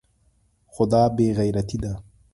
خو دا بې غيرتي ده.